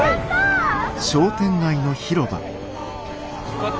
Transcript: こっち